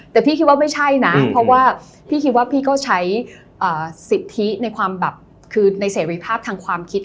แต่พี่คิดว่าไม่ใช่นะเพราะว่าพี่คิดว่าพี่ก็ใช้สิทธิในเสร็จรีนภาพทางความคิด